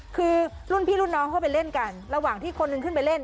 คือรุ่นพี่รุ่นน้องเข้าไปเล่นกันระหว่างที่คนหนึ่งขึ้นไปเล่น